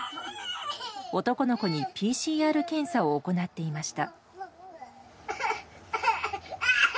男の子にＰＣＲ検査を行っていました。